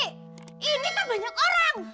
ini kan banyak orang